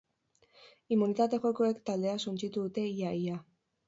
Immunitate jokoek taldea suntsitu dute ia ia.